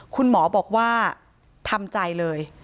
คุณหมอบอกว่าทำใจเลย